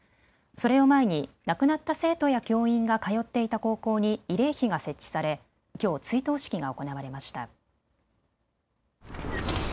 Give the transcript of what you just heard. それを前に亡くなった生徒や教員が通っていた高校に慰霊碑が設置されきょう追悼式が行われました。